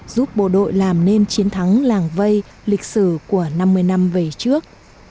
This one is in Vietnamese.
giúp bộ đội làm nên chiến thắng làng vây lịch sử của năm mươi năm về trước